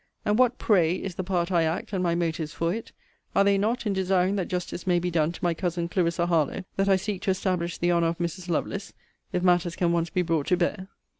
And what, pray, is the part I act, and my motives for it? Are they not, in desiring that justice may be done to my Cousin Clarissa Harlowe, that I seek to establish the honour of Mrs. Lovelace, if matters can once be brought to bear?